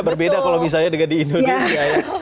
berbeda kalau misalnya di indonesia